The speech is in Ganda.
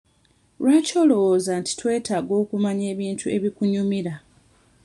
Lwaki olowooza nti twetaaga okumanya ebintu ebikunyumira?